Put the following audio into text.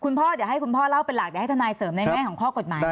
พ่อเดี๋ยวให้คุณพ่อเล่าเป็นหลักเดี๋ยวให้ทนายเสริมในแง่ของข้อกฎหมาย